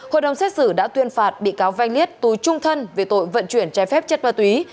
hội đồng xét xử đã tuyên phạt bị cáo vanh liênết tù trung thân về tội vận chuyển trái phép chất ma túy